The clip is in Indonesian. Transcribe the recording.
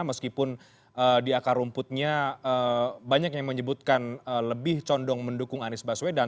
meskipun di akar rumputnya banyak yang menyebutkan lebih condong mendukung anies baswedan